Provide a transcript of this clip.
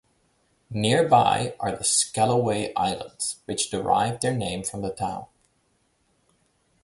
Nearby are the Scalloway Islands, which derive their name from the town.